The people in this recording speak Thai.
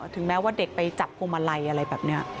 ถึงแม้ว่าเด็กไปจับพวงมาลัยอะไรแบบนี้